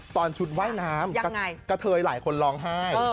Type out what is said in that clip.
ตอนชุดว่ายน้ำกระเทยหลายคนร้องไห้